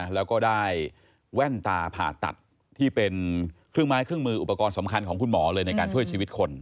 แล้วก็ได้แว่นตาผ่าตัดที่เป็นเครื่องไม้เครื่องมืออุปกรณ์สำคัญของคุณหมอเลยในการช่วยชีวิตคน